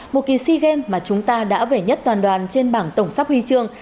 một kỳ sea games mà chúng ta đã về nhất toàn đoàn trên bảng tổng sắp huy chương